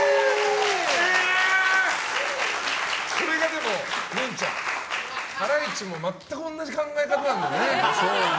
それは、グンちゃんハライチも全く同じ考え方なんだよね。